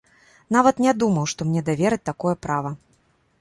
Нават не думаў, што мне давераць такое права.